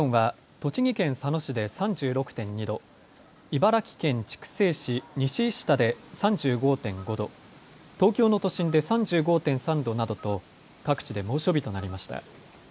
日中の最高気温は栃木県佐野市で３６．２度、茨城県筑西市西石田で３５．５度、東京の都心で３５．３度などと各地で猛暑日となりました。